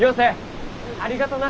ありがとな！